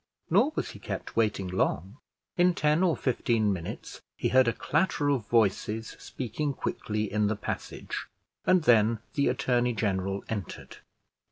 Nor was he kept waiting long: in ten or fifteen minutes he heard a clatter of voices speaking quickly in the passage, and then the attorney general entered.